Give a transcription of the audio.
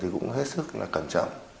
thì cũng hết sức là cẩn trọng